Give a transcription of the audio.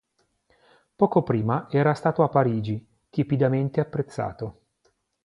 Poco prima era stato a Parigi, tiepidamente apprezzato.